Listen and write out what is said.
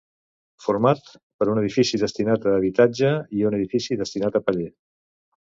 Format per un edifici destinat a habitatge i un edifici destinat a paller.